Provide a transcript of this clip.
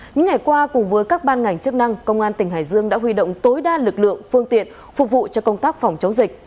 những ngày qua cùng với các ban ngành chức năng công an tỉnh hải dương đã huy động tối đa lực lượng phương tiện phục vụ cho công tác phòng chống dịch